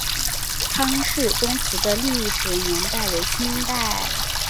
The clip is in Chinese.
康氏宗祠的历史年代为清代。